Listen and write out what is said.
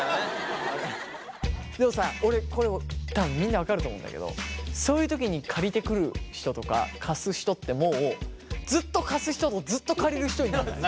でもさ俺これ多分みんな分かると思うんだけどそういう時に借りてくる人とか貸す人ってもうずっと貸す人とずっと借りる人になんない？